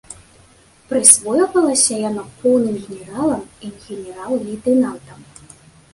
Прысвойвалася яно поўным генералам і генерал-лейтэнантам.